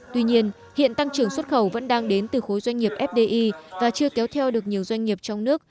tuy nhiên hiện tăng trưởng xuất khẩu vẫn đang đến từ khối doanh nghiệp fdi và chưa kéo theo được nhiều doanh nghiệp trong nước